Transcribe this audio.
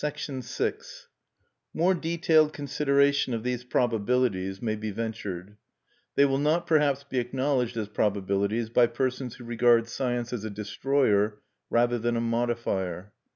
VI More detailed consideration of these probabilities may be ventured. They will not, perhaps, be acknowledged as probabilities by persons who regard science as a destroyer rather than a modifier.